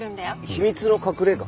秘密の隠れ家？